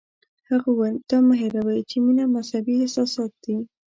هغه وویل دا مه هیروئ چې مینه مذهبي احساسات دي.